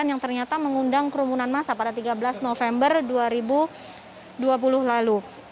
yang ternyata mengundang kerumunan masa pada tiga belas november dua ribu dua puluh lalu